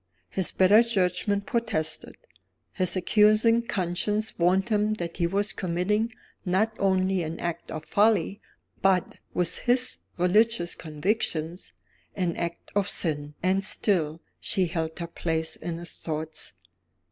His better judgment protested; his accusing conscience warned him that he was committing, not only an act of folly but (with his religious convictions) an act of sin and still she held her place in his thoughts.